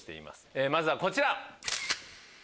まずはこちら。